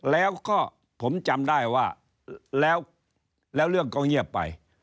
แล้วก็ผมจำได้ว่าแล้วเรื่องก็เงียบไป